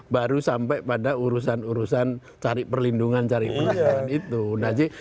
baru sampai pada urusan urusan cari perlindungan cari perlindungan itu